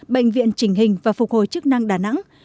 bệnh viện chỉnh hình và phục hồi chức năng đà nẵng